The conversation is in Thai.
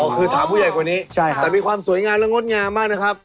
คือถามผู้ใหญ่กว่านี้แต่มีความสวยงามและงดงามมากนะครับ